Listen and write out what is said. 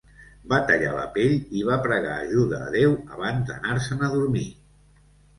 Va tallar la pell i va pregar ajuda a Déu abans d'anar-se'n a dormir.